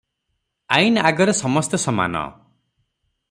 ଆଇନ ଆଗରେ ସମସ୍ତେ ସମାନ ।